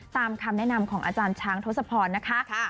ตามคำแนะนำของอาจารย์ช้างโทรศัพท์นะคะ